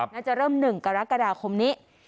น่าจะเริ่มหนึ่งกฎกระดาษคมนี้